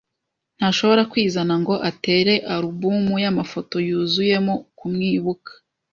Ntashobora kwizana ngo atere alubumu y'amafoto yuzuyemo kumwibuka.